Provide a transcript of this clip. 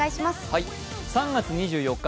３月２４日